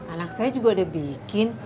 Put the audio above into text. anak saya juga udah bikin